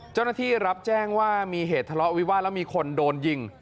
เจ้าหน้าที่รับแจ้งว่ามีเหตุทะเลาะวิวาสแล้วมีคนโดนยิง